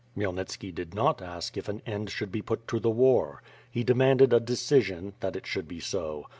^' Khmyelnitski did not ask if an end should be put to the war. He demanded a decision, that it should be so.